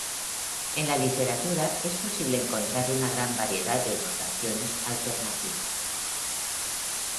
En la literatura es posible encontrar una gran variedad de notaciones alternativas.